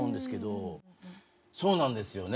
そうなんですよね。